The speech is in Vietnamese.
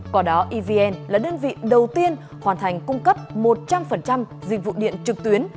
còn đó evn là đơn vị đầu tiên hoàn thành cung cấp một trăm linh dịch vụ điện trực tuyến